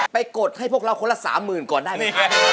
ไปกดให้พวกเราคนละสามหมื่นก่อนได้ไหมคะ